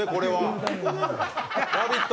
「ラヴィット！」